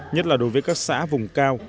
nhất là đối với các xã vùng cao